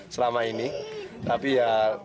selama ini tapi ya